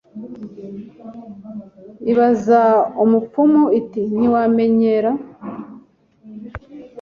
Ibaza umupfumu iti ntiwamenyera